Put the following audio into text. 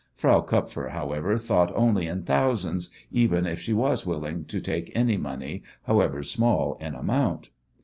Frau Kupfer, however, thought only in thousands, even if she was willing to take any money, however small in amount.